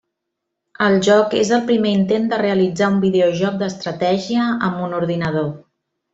El joc és el primer intent de realitzar un videojoc d'estratègia amb un ordinador.